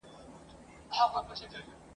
د دې کښت حاصل قاتل زموږ د ځان دی !.